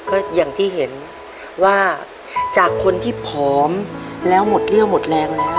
ก็อย่างที่เห็นว่าจากคนที่ผอมแล้วหมดเรี่ยวหมดแรงแล้ว